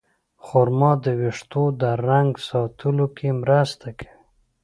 خرما د ویښتو د رنګ ساتلو کې مرسته کوي.